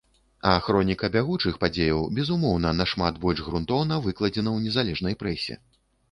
А хроніка бягучых падзеяў, безумоўна, нашмат больш грунтоўна выкладзена ў незалежнай прэсе.